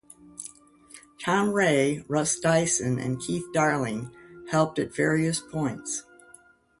Tom Ray, Russ Dyson, and Keith Darling helped at various points.